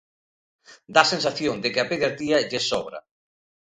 Dá a sensación de que a pediatría lles sobra.